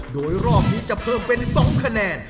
โดยรอบนี้จะเพิ่มเป็น๒คะแนน